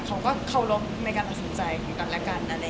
เขาก็เคารพในการตัดสินใจของกันและกัน